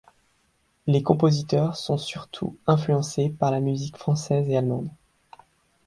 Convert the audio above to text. Les compositeurs sont surtout influencés par la musique française et allemande.